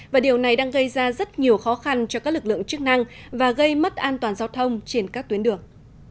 và điều này đang gây ra rất nhiều khó khăn cho các lực lượng chức năng và gây mất an toàn giao thông trên các tuyến đường